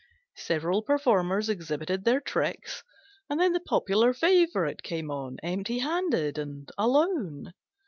Several performers exhibited their tricks, and then the popular favourite came on empty handed and alone.